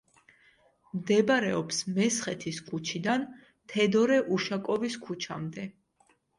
მდებარეობს მესხეთის ქუჩიდან თედორე უშაკოვის ქუჩამდე.